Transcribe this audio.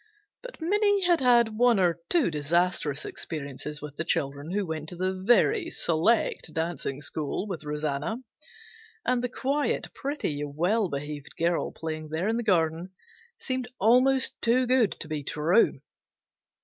But Minnie had had one or two disastrous experiences with the children who went to the very select dancing school with Rosanna, and the quiet, pretty, well behaved girl playing there in the garden seemed almost too good to be true.